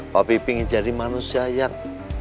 papi pingin jadi manusia yang